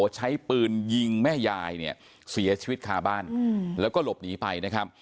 ใช้ปืนยิงแม่ยายเนี่ยเสียชีวิตคาบ้านแล้วก็หลบหนีไปนะครับ